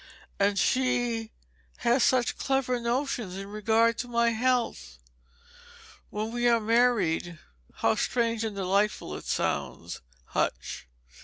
"And she has such clever notions in regard to my health. When we are married how strange and how delightful it sounds, Hutch!